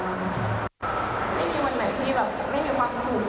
ไม่มีวันไหนที่แบบไม่มีความสุข